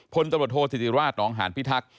พลตำรวจโทษธิติราชนองหานพิทักษ์